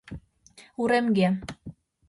Уремге